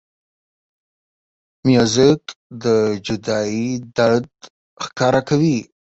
موزیک د جدایۍ درد ښکاره کوي.